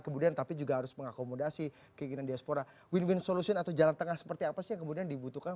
kemudian tapi juga harus mengakomodasi keinginan diaspora win win solution atau jalan tengah seperti apa sih yang kemudian dibutuhkan